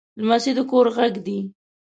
لمسی د کور غږ دی.